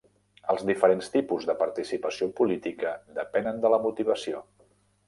Els diferents tipus de participació política depenen de la motivació.